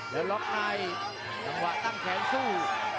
และล็อคไนท์วันซังแขนสู้